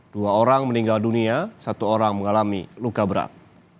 dua orang meninggal dunia satu orang mengalami luka berat